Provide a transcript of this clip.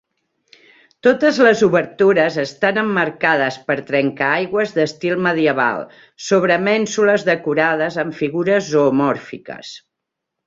Totes les obertures estan emmarcades per trencaaigües d'estil medieval, sobre mènsules decorades amb figures zoomòrfiques.